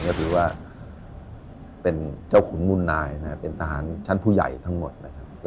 ก็ถือว่าเป็นเจ้าขุนมุนนายนะครับเป็นทหารชั้นผู้ใหญ่ทั้งหมดนะครับ